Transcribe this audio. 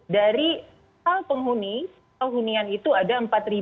dari hal penghuni hal hunian itu ada empat tiga ratus tiga puluh sembilan